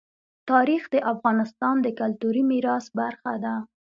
تاریخ د افغانستان د کلتوري میراث برخه ده.